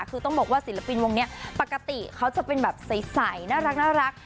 คือต้องบอกว่าศิลปินวงนี้ปกติเขาจะเป็นแบบใสน่ารัก